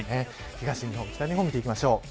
東日本北日本、見ていきましょう。